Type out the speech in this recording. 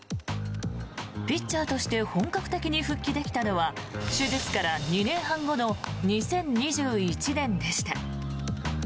ピッチャーとして本格的に復帰できたのは手術から２年半後の２０２１年でした。